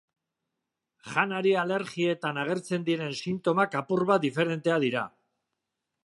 Janari-alergietan agertzen diren sintomak apur bat diferenteak dira.